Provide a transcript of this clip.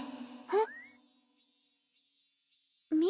えっ？